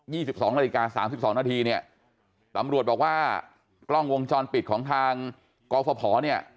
นาฬิกา๓๒นาทีเนี่ยตำรวจบอกว่ากล้องวงจรปิดของทางกฟพอเนี่ย